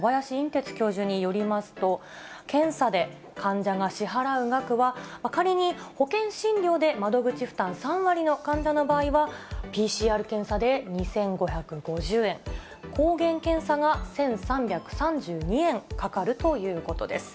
てつ教授によりますと、検査で患者が支払う額は、仮に保険診療で窓口負担３割の患者の場合はＰＣＲ検査で２５５０円、抗原検査が１３３２円かかるということです。